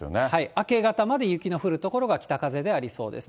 明け方まで雪の降る所が北風でありそうです。